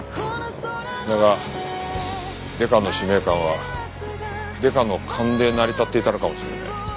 だがデカの使命感はデカの勘で成り立っていたのかもしれない。